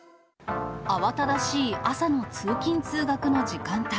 慌ただしい朝の通勤・通学の時間帯。